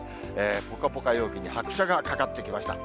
ぽかぽか陽気に拍車がかかってきました。